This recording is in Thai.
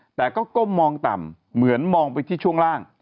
แต่ก็ก้มมองต่ำเหมือนมองไปที่ช่วงล่าง